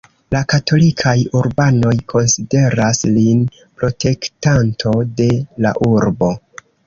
La katolikaj urbanoj konsideras lin protektanto de la urbo.